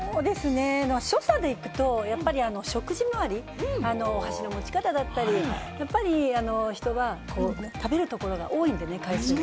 所作でいくと、食事まわり、箸の持ち方だったり、やっぱり人は食べるところが多いので、会食も。